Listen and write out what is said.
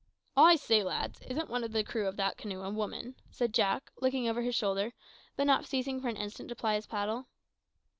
"I say, lads, isn't one of the crew of that canoe a woman?" said Jack, looking over his shoulder, but not ceasing for an instant to ply his paddle.